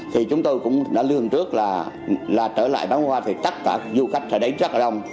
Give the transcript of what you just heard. thì chúng tôi cũng đã lưu hưởng trước là trở lại bán qua thì chắc cả du khách ở đấy rất là đông